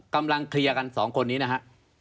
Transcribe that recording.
กำลังเคลียร์กัน๒คนนี้นะฮะ